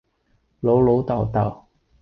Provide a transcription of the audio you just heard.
老老竇竇